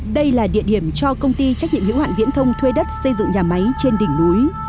đây là địa điểm cho công ty trách nhiệm hữu hạn viễn thông thuê đất xây dựng nhà máy trên đỉnh núi